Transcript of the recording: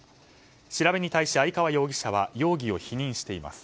調べに対し相川容疑者は容疑を否認しています。